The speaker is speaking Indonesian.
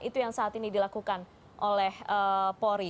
itu yang saat ini dilakukan oleh polri